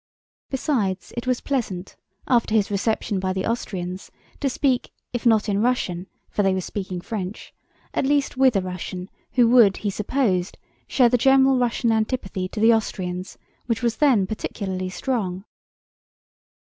Besides it was pleasant, after his reception by the Austrians, to speak if not in Russian (for they were speaking French) at least with a Russian who would, he supposed, share the general Russian antipathy to the Austrians which was then particularly strong.